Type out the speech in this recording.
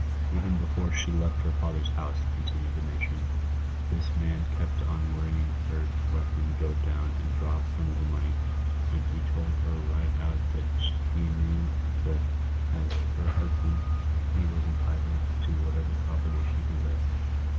" Even before she left her father's house," continued the matron, " this man kept on worrying her to let him go down and draw some of the money ; and he told her right out that he knew that as her hus band he was entitled to whatever property she possessed.